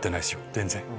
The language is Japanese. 全然。